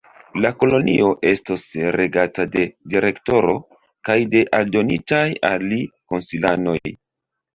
La kolonio estos regata de direktoro kaj de aldonitaj al li konsilanoj.